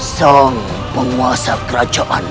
sang penguasa kerajaan